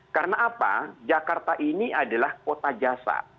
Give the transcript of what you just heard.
karena apa jakarta ini adalah kota jasa